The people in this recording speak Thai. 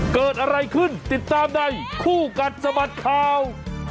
เกิดอะไรขึ้นติดตามในคู่กัดสะบัดข่าว